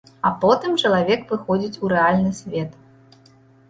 А потым чалавек выходзіць у рэальны свет.